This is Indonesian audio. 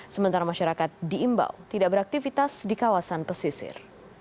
sementara masyarakat diimbau tidak beraktivitas di kawasan pesisir